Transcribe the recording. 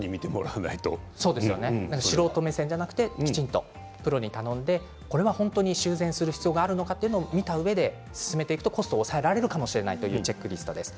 素人目線ではなくプロに頼んで修繕する必要があるかどうか見てもらったうえで進めていくとコストを抑えられるかもしれないというチェックリストです。